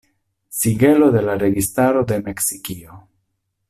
Sigelo de la registaro de Meksikio.